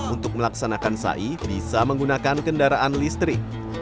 untuk melaksanakan syai bisa menggunakan kendaraan listrik